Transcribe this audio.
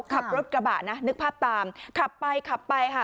ขับรถกระบะนะนึกภาพตามขับไปขับไปค่ะ